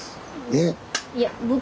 えっ？